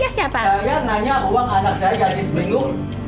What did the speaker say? saya nanya uang anak saya jadi seminggu